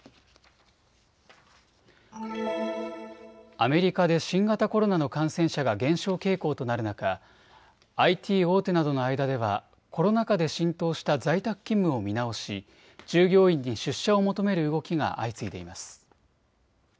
アメリカで新型コロナの感染者が減少傾向となる中、ＩＴ大手などの間ではコロナ禍で浸透した在宅勤務を見直し従業員に出社を求める動きが相次いでいます。